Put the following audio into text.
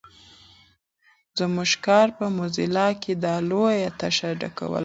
زموږ کار په موزیلا کې دا لویه تشه ډکولای شي.